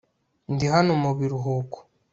Ndi hano mu biruhuko